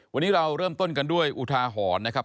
วันนี้เราเริ่มต้นกันด้วยอุทาหรณ์นะครับ